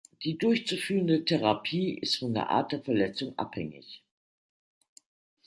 Die durchzuführende Therapie ist von der Art der Verletzung abhängig.